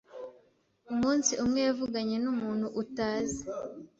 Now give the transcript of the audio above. Umunsi umwe, yavuganye numuntu utazi.